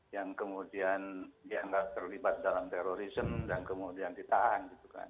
yang kemudian dianggap terlibat dalam terorisme dan kemudian ditahan